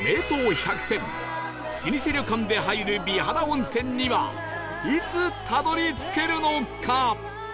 百選老舗旅館で入る美肌温泉にはいつたどり着けるのか？